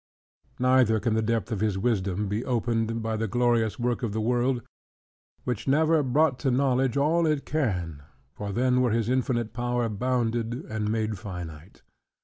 Neither can the depth of his wisdom be opened, by the glorious work of the world, which never brought to knowledge all it can, for then were his infinite power bounded and made finite.